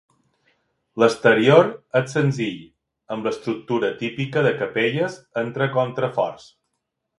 L'exterior és senzill, amb l'estructura típica de capelles entre contraforts.